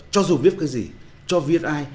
cho dù viết cái gì cho viết ai